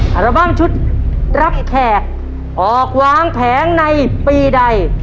อัลบั้มชุดรับแขกออกวางแผงในปีใด